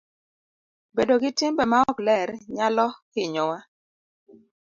Bedo gi timbe maok ler nyalo hinyowa.